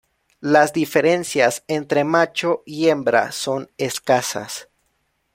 Las diferencias entre macho y hembra son escasas.